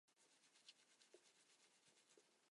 二战时参加过日军入侵法属印度支那和香港攻防战。